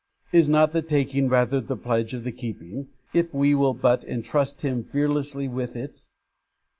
Is not the taking rather the pledge of the keeping, if we will but entrust Him fearlessly with it?